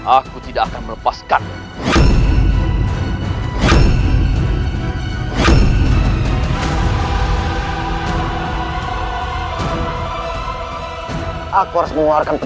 aku tidak ingin kita kembali ke pialsimu